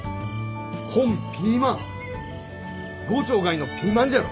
こんピーマン郷長がいのピーマンじゃろ！？